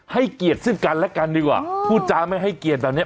เกียรติซึ่งกันและกันดีกว่าพูดจาไม่ให้เกียรติแบบนี้